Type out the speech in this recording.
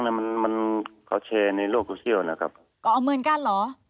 เอาความเนื่องกันเหรอ